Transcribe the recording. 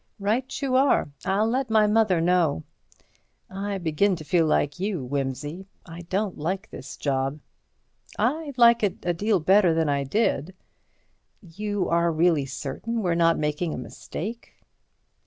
"Right you are; I'll let my mother know." "I begin to feel like you, Wimsey, I don't like this job." "I like it a deal better than I did." "You are really certain we're not making a mistake?"